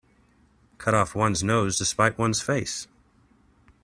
Cut off one's nose to spite one's face.